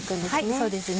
そうですね。